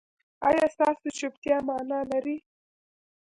ایا ستاسو چوپتیا معنی لري؟